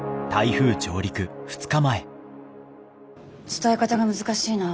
伝え方が難しいな。